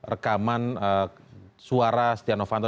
rekaman suara setia novanto